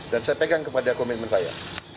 dan saya pegang kepada komitmen saya